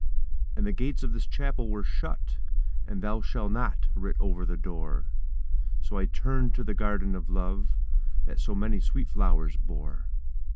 And the gates of this Chapel were shut, And 'Thou shalt not' writ over the door; So I turned to the Garden of Love That so many sweet flowers bore.